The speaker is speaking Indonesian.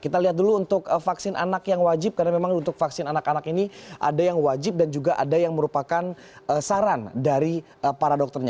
kita lihat dulu untuk vaksin anak yang wajib karena memang untuk vaksin anak anak ini ada yang wajib dan juga ada yang merupakan saran dari para dokternya